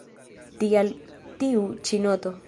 Tial tiu ĉi noto.